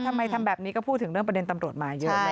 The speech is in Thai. ทำแบบนี้ก็พูดถึงเรื่องประเด็นตำรวจมาเยอะนะ